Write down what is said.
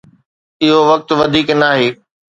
اهو وقت وڌيڪ ناهي.